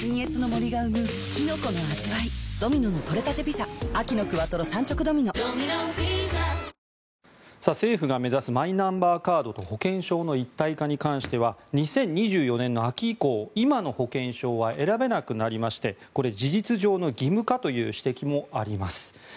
ピンポーン政府が目指すマイナンバーカードと保険証の一体化に関しては２０２４年の秋以降今の保険証は選べなくなりまして事実上の義務化という指摘もあります。